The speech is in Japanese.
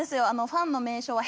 ファンの名称は。